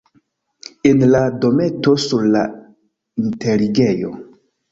En la dometo sur la enterigejo.